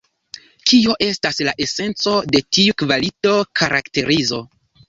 Kio estas la esenco de tiu kvalito-karakterizo?